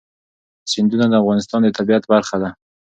سیندونه د افغانستان د طبیعت برخه ده.